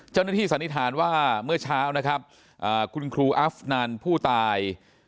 สันนิษฐานว่าเมื่อเช้านะครับคุณครูอัฟนันผู้ตาย